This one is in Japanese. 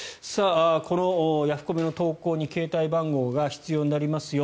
このヤフコメの投稿に携帯電話番号が必要になりますよ。